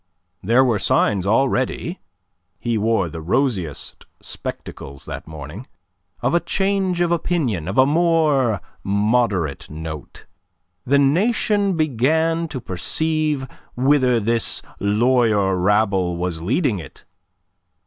There were signs already he wore the rosiest spectacles that morning of a change of opinion, of a more moderate note. The Nation began to perceive whither this lawyer rabble was leading it.